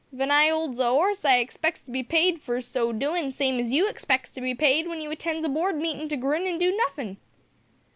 Ven I 'olds a 'orse I expecs to be paid for so doin', same as you expecs to be paid w'en you attends a board meetin' to grin an' do nuffin.'